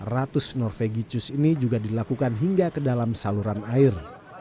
ratus norvegicus ini juga dilakukan hingga ke dalam saluran air